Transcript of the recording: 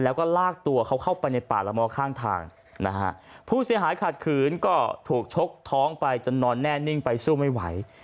แล้วก็ลากตัวเขาเข้าไปในป่าละมอข้างทางนะฮะผู้เสียหายขัดขืนก็ถูกชกท้องไปจนนอนแน่นิ่งไปสู้ไม่ไหว